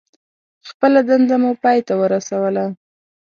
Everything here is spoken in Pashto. خپله دنده مو پای ته ورسوله.